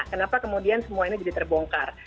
kenapa kemudian semua ini jadi terbongkar